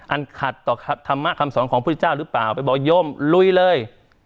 อันขัดต่อธรรมะคำสอนของพุทธเจ้าหรือเปล่าไปบอกโยมลุยเลย